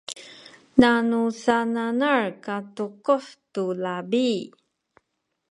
nanu sananal katukuh tu labi